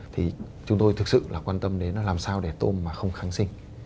thì chúng tôi thực sự là quan tâm đến làm sao để tôm mà không kháng sinh